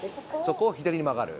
そこを左に曲がる？